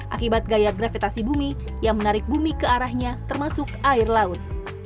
akibat gaya gravitasi bumi yang menarik bumi ke arahnya termasuk air laut